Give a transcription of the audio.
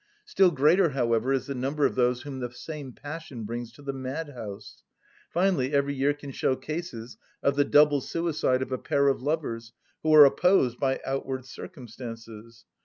Still greater, however, is the number of those whom the same passion brings to the madhouse. Finally, every year can show cases of the double suicide of a pair of lovers who are opposed by outward circumstances.